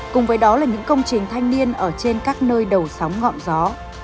cùng với đó là những công trình thanh niên ở trên các nơi đầu sóng ngọn gió